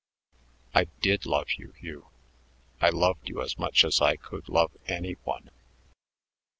"I did love you, Hugh. I loved you as much as I could love any one."